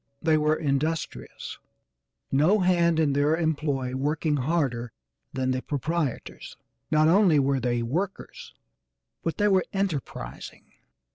They were industrious, no hand in their employ working harder than the proprietors. Not only were they workers, but they were enterprising.